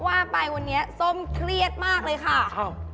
ว่าไปวันนี้ซะมันเครียดมากเลยค่ะ